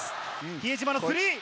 比江島のスリー。